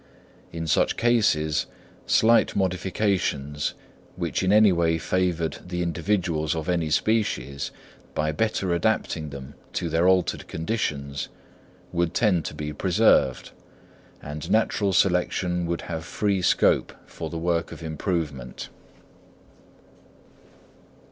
In such cases, slight modifications, which in any way favoured the individuals of any species, by better adapting them to their altered conditions, would tend to be preserved; and natural selection would have free scope for the work of improvement.